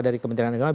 dari kementerian agama